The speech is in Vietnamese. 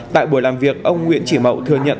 tại buổi làm việc ông nguyễn chỉ mậu thừa nhận